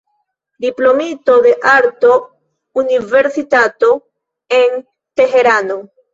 Diplomito de Arto-Universitato en Teherano.